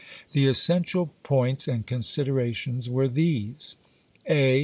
The essential points and considerations were these: A.